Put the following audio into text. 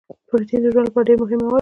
پروټین د ژوند لپاره مهم مواد دي